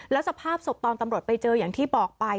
แล้วสภาพศพตอนตำรวจไปเจออย่างที่บอกไป